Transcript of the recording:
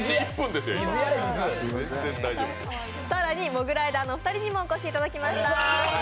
更にモグライダーのお二人にもお越しいただきました。